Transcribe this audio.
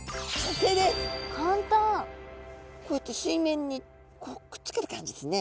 こうやって水面にくっつける感じですね。